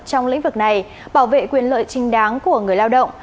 trong lĩnh vực này bảo vệ quyền lợi trinh đáng của người lao động